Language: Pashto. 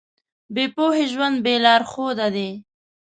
بې پوهې ژوند بې لارښوده دی.